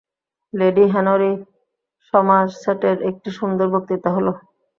Lady Henry সমারসেটের একটি সুন্দর বক্তৃতা হল।